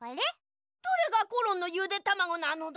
どれがコロンのゆでたまごなのだ？